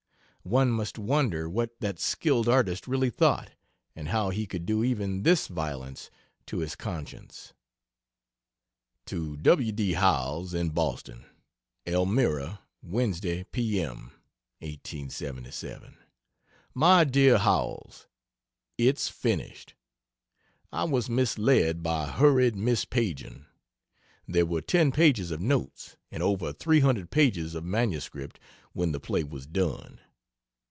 One must wonder what that skilled artist really thought, and how he could do even this violence to his conscience. To W. D. Howells, in Boston: ELMIRA, Wednesday P.M. (1877) MY DEAR HOWELLS, It's finished. I was misled by hurried mis paging. There were ten pages of notes, and over 300 pages of MS when the play was done.